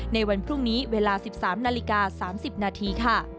ในวันพรุ่งนี้เวลา๑๓นาฬิกา๓๐นาทีค่ะ